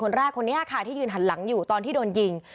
แรกคนนี้ค่ะที่ยืนหันหลังอยู่ตอนที่โดนยิง